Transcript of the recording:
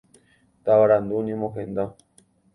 Tavarandu ñemohenda.